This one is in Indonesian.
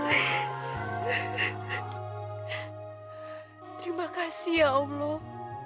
terima kasih ya allah